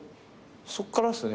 そっからっすね。